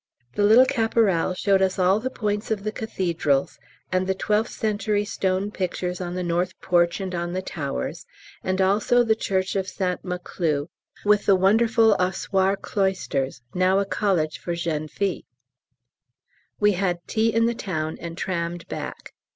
The little Caporal showed us all the points of the cathedrals, and the twelfth century stone pictures on the north porch and on the towers, and also the church of St Maclou with the wonderful "Ossuare" cloisters, now a college for Jeunes Filles. We had tea in the town and trammed back.